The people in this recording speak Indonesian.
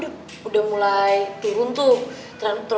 aku golongan darahnya